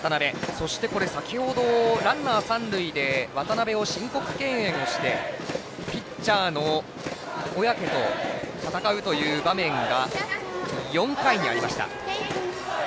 そして、先ほどランナー、三塁で渡辺を申告敬遠をしてピッチャーの小宅と戦うという場面が４回にありました。